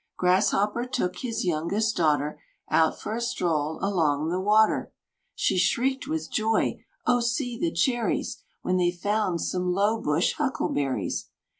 Grasshopper took his youngest daughter Out for a stroll along the water; She shrieked with joy, "O, see the cherries!" When they found some low bush huckleberries.